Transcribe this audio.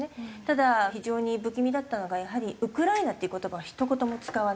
ただ非常に不気味だったのがやはり「ウクライナ」っていう言葉をひと言も使わないんですよね。